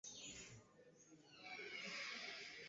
abagabo bakavuga amapeti bari bafite mu gisirikare